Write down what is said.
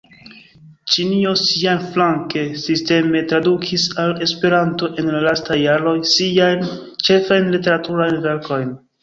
Ĉinio siaflanke sisteme tradukis al Esperanto, en la lastaj jaroj, siajn ĉefajn literaturajn verkojn.